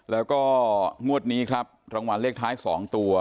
แล้วก็งวดนี้ครับรางวัลเลขท้าย๒ตัว